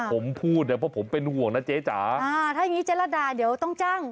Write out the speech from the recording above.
ผมพูดเนี่ยเพราะผมเป็นห่วงนะเจ๊จ๋าอ่าถ้าอย่างงี้เจรดาเดี๋ยวต้องจ้าง